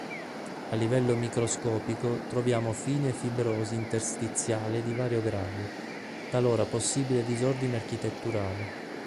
A livello microscopico troviamo fine fibrosi interstiziale di vario grado, talora possibile disordine architetturale.